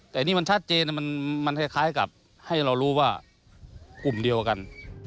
แต่นี่มันชัดเจนมันคล้ายกับให้เรารู้ว่ากลุ่มเดียวกัน